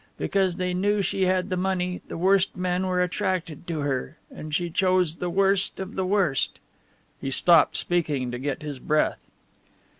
Because they knew she had the money the worst men were attracted to her and she chose the worst of the worst!" He stopped speaking to get his breath.